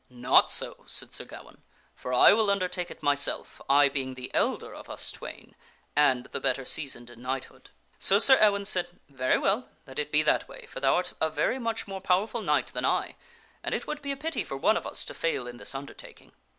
" Not so," said Sir Gawaine, " for I will undertake it myself, I being the elder of us twain, and the better sea soned in knighthood." So Sir Ewaine said, " Very well. Let it be that way, for thou art a very much more powerful knight than I, and it would be a pity for one of us to fail in this undertaking."